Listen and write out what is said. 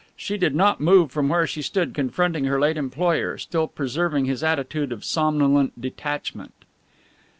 She did not move from where she stood confronting her late employer, still preserving his attitude of somnolent detachment.